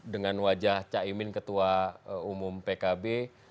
dengan wajah cak imin ketua umum pkb